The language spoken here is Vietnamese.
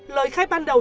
lời khai ban đầu